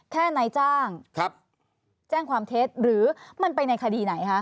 แค่นายจ้างครับแจ้งความเทสหรือมันไปในคดีไหนคะ